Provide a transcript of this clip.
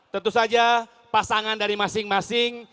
tentu saja pasangan dari masing masing